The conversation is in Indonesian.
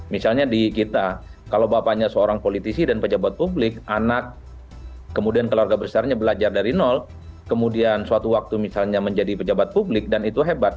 misalnya di kita kalau bapaknya seorang politisi dan pejabat publik anak kemudian keluarga besarnya belajar dari nol kemudian suatu waktu misalnya menjadi pejabat publik dan itu hebat